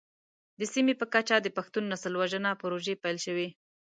د سیمې په کچه د پښتون نسل وژنه پروژې پيل شوې.